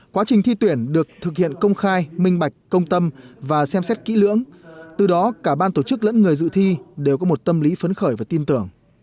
quá trình thi tuyển được thực hiện công khai minh bạch công tâm và xem xét kỹ lưỡng từ đó cả ban tổ chức lẫn người dự thi đều có một tâm lý phấn khởi và tin tưởng